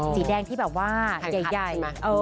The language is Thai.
สีแดงที่แบบว่าใหญ่